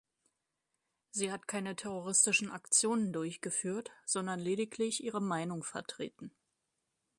Sie hat keine terroristischen Aktionen durchgeführt, sondern lediglich ihre Meinung vertreten.